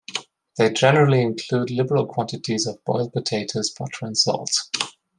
They generally include liberal quantities of boiled potatoes, butter and salt.